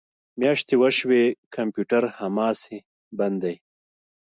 میاشتې وشوې کمپیوټر هماسې بند دی